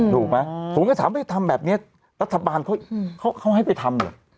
ถูกไหมผมก็ถามว่าทำแบบนี้รัฐบาลเขาให้ไปทำเหรอ